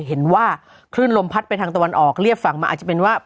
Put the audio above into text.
เห็นว่าคลื่นลมพัดไปทางตะวันออกเรียบฝั่งมาอาจจะเป็นว่า